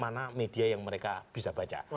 mana media yang mereka bisa baca